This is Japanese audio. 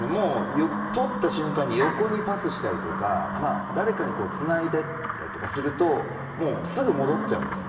取った瞬間に横にパスしたりとか誰かにつないでたりするとすぐに戻ってしまいます。